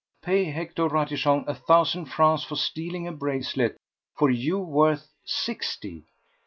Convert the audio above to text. Pay Hector Ratichon a thousand francs for stealing a bracelet for you worth sixty!